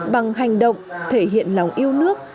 bằng hành động thể hiện lòng yêu nước